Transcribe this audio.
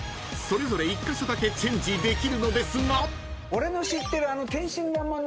［それぞれ１カ所だけチェンジできるのですが］